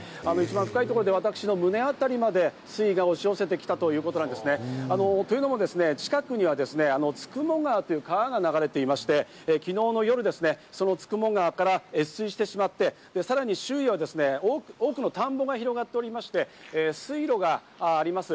深いところで私の胸あたりまで水位が押し寄せてきたということなんですね。というのも、近くには九十九川という川が流れていまして、昨日の夜その九十九川から越水してしまって、さらに周囲は多くの田んぼが広がっておりまして、水路があります。